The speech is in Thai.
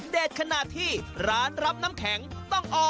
เด็ดขนาดที่ร้านรับน้ำแข็งต้องออกมาขอบคุณ